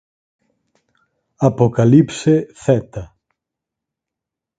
Apocalipse Z.